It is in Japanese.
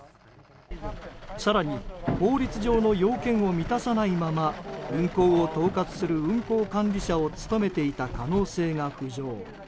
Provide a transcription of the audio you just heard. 更に法律上の要件を満たさないまま運航を統括する運航管理者を務めていた可能性が浮上。